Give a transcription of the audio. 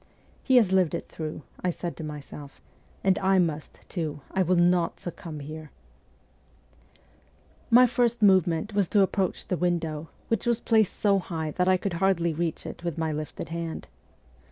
' He has lived it through,' I said to myself, ' and I must, too ; I will not succumb here !' My first movement was to approach the window, which was placed so high that I could hardly reach it with my lifted hand.